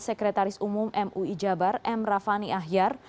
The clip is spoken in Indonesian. sekretaris umum mui jabar m rafani ahyar